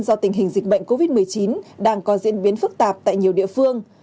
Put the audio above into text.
do tình hình dịch bệnh covid một mươi chín đang có diễn biến phức tạp tại nhiều địa phương